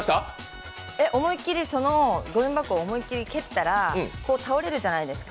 そのごみ箱を思い切り蹴ったら倒れるじゃないですか。